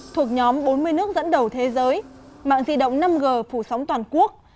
thuộc nhóm bốn mươi nước dẫn đầu thế giới mạng di động năm g phủ sóng toàn quốc